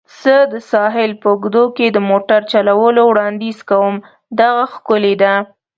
زه د ساحل په اوږدو کې د موټر چلولو وړاندیز کوم. دغه ښکلې ده.